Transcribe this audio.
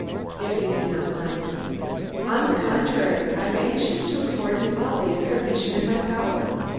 "If you do not mind." "On the contrary, I am anxious to afford you all the information in my power.